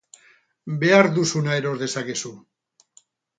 Behar duzuna eros dezakezu.